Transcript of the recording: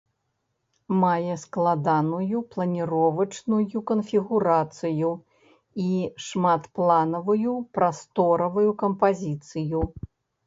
Мае складаную планіровачную канфігурацыю і шматпланавую прасторавую кампазіцыю.